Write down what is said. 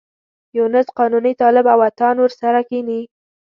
یونس قانوني، طالب او عطا نور سره کېني.